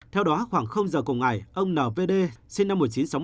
theo đó khoảng giờ cùng ngày ông n v d sinh năm một nghìn chín trăm sáu mươi hai